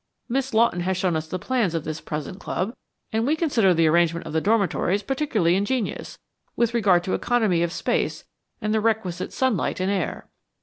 Miss Lawton has shown us the plans of this present club and we consider the arrangement of the dormitories particularly ingenious, with regard to economy of space and the requisite sunlight and air."